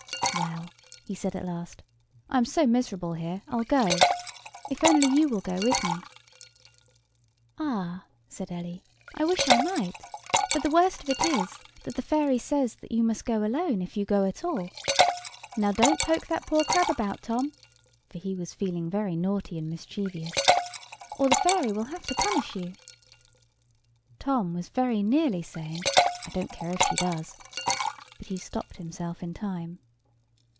"Well," he said, at last, "I am so miserable here, I'll go; if only you will go with me?" "Ah!" said Ellie, "I wish I might; but the worst of it is, that the fairy says that you must go alone if you go at all. Now don't poke that poor crab about, Tom" (for he was feeling very naughty and mischievous), "or the fairy will have to punish you." Tom was very nearly saying, "I don't care if she does;" but he stopped himself in time.